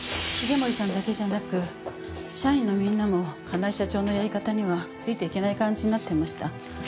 重森さんだけじゃなく社員のみんなも香奈恵社長のやり方にはついていけない感じになってました。